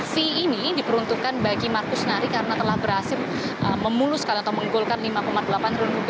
fee ini diperuntukkan bagi markus nari karena telah berhasil memuluskan atau menggolkan rp lima delapan triliun